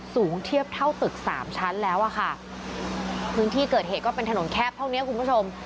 สูงเทียบเท่าตึกสามชั้นแล้วอ่ะค่ะพื้นที่เกิดเหตุก็เป็นถนนแคบเท่านี้คุณผู้ชม